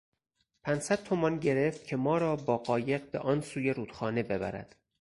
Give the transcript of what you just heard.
پنصد تومان گرفت که ما را با قایق به آن سوی رودخانه ببرد.